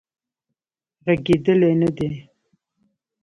غړیدلې نه دی